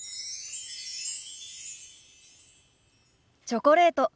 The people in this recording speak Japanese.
チョコレート。